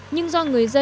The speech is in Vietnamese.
nhưng do người dân